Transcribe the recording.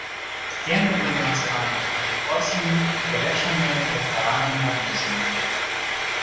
Сцены былі ўмацаваныя контрфорсамі і завершаныя прафіляваным карнізам.